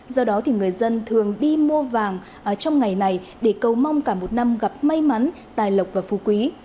do đó thì người dân thường đi mua vàng trong ngày này để cầu mong cả một năm gặp may mắn tài lộc và phu quý